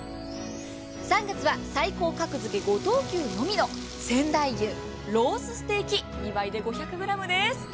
３月は最高格付５等級のみの仙台牛ロースステーキ２枚で５００ｇです。